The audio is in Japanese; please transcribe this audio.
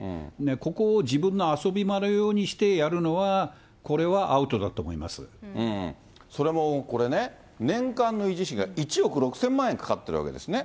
ここを自分の遊び場のようにしてやるのは、それもこれね、年間の維持費が１億６０００万円かかってるわけですね。